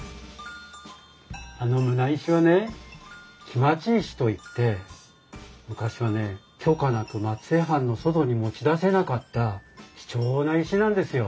あの棟石はね来待石といって昔はね許可なく松江藩の外に持ち出せなかった貴重な石なんですよ。